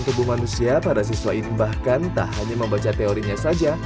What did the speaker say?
tubuh manusia para siswa ini bahkan tak hanya membaca teorinya saja